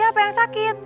sampai jumpa lagi